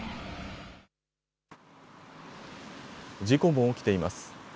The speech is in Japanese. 事故も起きています。